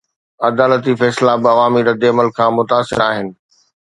عدالتي فيصلا به عوامي ردعمل کان متاثر آهن؟